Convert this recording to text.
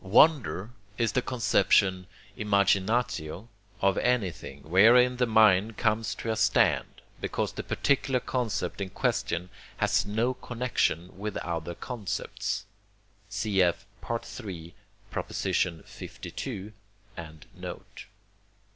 Wonder is the conception (imaginatio) of anything, wherein the mind comes to a stand, because the particular concept in question has no connection with other concepts (cf. III. lii. and note).